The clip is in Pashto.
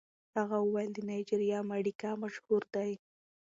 هغه وویل د نایجیریا مډیګا مشهور دی.